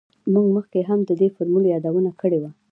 موږ مخکې هم د دې فورمول یادونه کړې وه